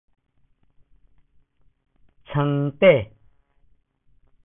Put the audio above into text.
床底